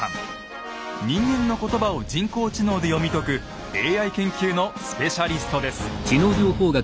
人間の言葉を人工知能で読み解くＡＩ研究のスペシャリストです。